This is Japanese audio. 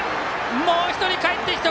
もう１人かえってきた！